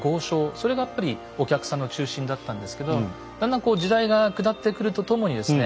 それがやっぱりお客さんの中心だったんですけどだんだんこう時代が下ってくるとともにですね